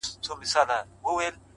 گراني بس څو ورځي لاصبر وكړه ـ